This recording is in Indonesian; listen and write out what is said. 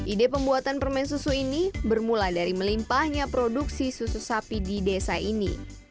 ide pembuatan permen susu ini bermula dari melimpahnya produksi susu sapi di desa ini